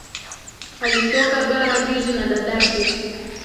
Alitoka bara juzi na dadake